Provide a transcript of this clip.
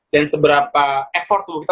dan seberapa effort kita